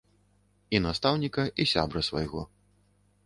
І настаўніка, і сябра свайго.